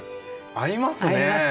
合いますよね。